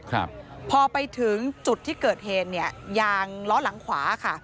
ครับพอไปถึงจุดที่เกิดเหตุเนี่ยยางล้อหลังขวาค่ะ